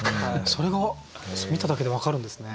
それが見ただけで分かるんですね。